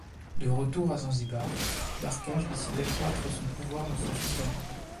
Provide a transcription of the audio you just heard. De retour à Zanzibar, Barghash décide d'accroître son pouvoir dans son sultanat.